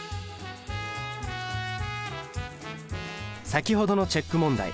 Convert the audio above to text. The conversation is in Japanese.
先ほどのチェック問題。